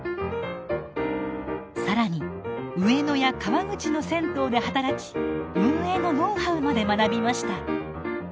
更に上野や川口の銭湯で働き運営のノウハウまで学びました。